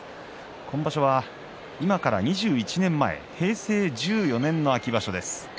今場所は今から２１年前平成１４年の秋場所です。